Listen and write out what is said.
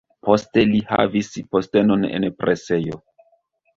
Poste li havis postenon en presejo.